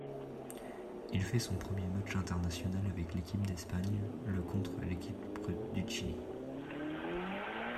Il fait son premier match international avec l'équipe d'Espagne le contre l'Équipe du Chili.